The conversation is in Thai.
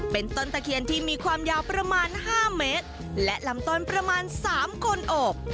เป็นต้นตะเคียนที่มีความยาวประมาณ๕เมตรและลำต้นประมาณ๓คนโอบ